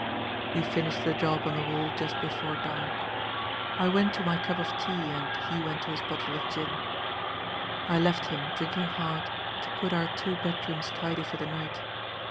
"We finished the job on the wall just before dark. I went to my cup of tea, and he went to his bottle of gin. "I left him, drinking hard, to put our two bedrooms tidy for the night.